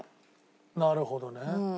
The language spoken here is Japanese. なるほどね。